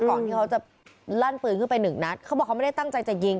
ก่อนที่เขาจะลั่นปืนขึ้นไปหนึ่งนัดเขาบอกเขาไม่ได้ตั้งใจจะยิง